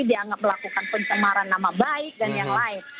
dianggap melakukan pencemaran nama baik dan yang lain